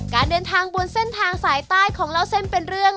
การเดินทางบนเส้นทางสายใต้ของเล่าเส้นเป็นเรื่อง